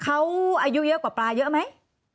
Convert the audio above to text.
เขาอายุเยอะกว่าปลาเยอะไหม